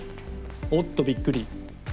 おっとびっくり。